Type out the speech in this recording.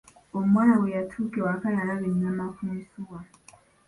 Omuwala we yatuuka ewaka, yalaba ennyama mu nsuwa.